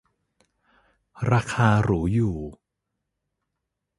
ราคาหรูอยู่